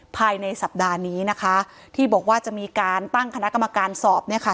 ภายในสัปดาห์นี้นะคะที่บอกว่าจะมีการตั้งคณะกรรมการสอบเนี่ยค่ะ